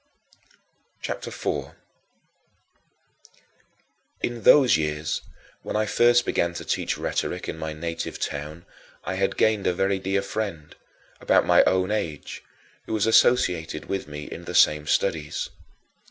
CHAPTER IV 7. In those years, when I first began to teach rhetoric in my native town, I had gained a very dear friend, about my own age, who was associated with me in the same studies.